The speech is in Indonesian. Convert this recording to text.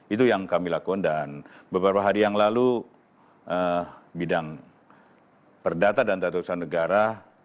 itu yang kami lakukan dan beberapa hari yang lalu bidang perdata dan tata usaha negara